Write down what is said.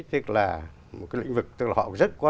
tức là một cái lĩnh vực tức là họ rất có